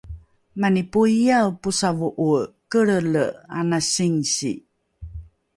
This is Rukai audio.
mani poiae posavo’oe kelrele ana singsi